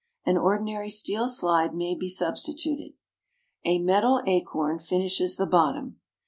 An ordinary steel slide may be substituted. A metal acorn finishes the bottom.